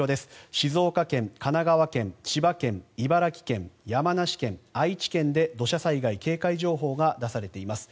静岡県、神奈川県千葉県、茨城県山梨県、愛知県で土砂災害警戒情報が出されています。